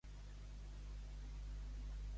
És l'única labor que té ara mateix?